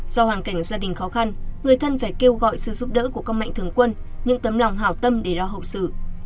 do hoàn cảnh gia đình khó khăn người thân phải kêu gọi sự giúp đỡ của các mạnh thường quân những tấm lòng hảo tâm để lo hậu sự